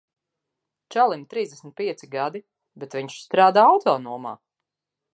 Čalim trīsdesmit pieci gadi, bet viņš strādā autonomā.